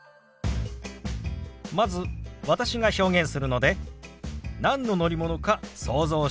まず私が表現するので何の乗り物か想像してください。